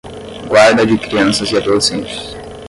guarda de crianças e adolescentes